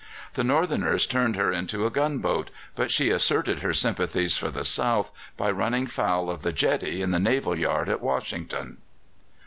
The Northerners turned her into a gunboat, but she asserted her sympathies for the South by running foul of the jetty in the naval yard at Washington.